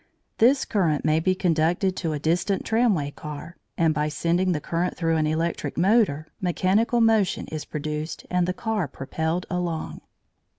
This current may be conducted to a distant tramway car, and, by sending the current through an electric motor, mechanical motion is produced and the car propelled along.